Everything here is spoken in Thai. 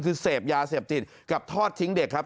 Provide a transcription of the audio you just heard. คือเสพยาเสพติดกับทอดทิ้งเด็กครับ